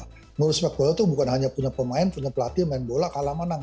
menurut sepak bola itu bukan hanya punya pemain punya pelatih main bola kalah menang